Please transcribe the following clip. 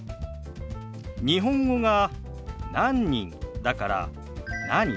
日本語が「何人」だから「何？」